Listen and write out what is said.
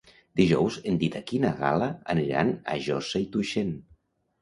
Dijous en Dídac i na Gal·la aniran a Josa i Tuixén.